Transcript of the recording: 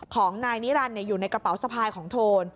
ของนายนิรันดิ์อยู่ในกระเป๋าสะพายของโทน